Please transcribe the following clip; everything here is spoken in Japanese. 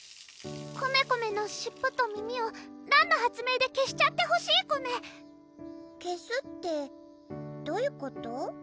コメコメの尻尾と耳をらんの発明で消しちゃってほしいコメ消すってどういうこと？